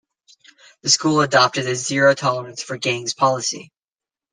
The school adopted a "zero tolerance for gangs" policy.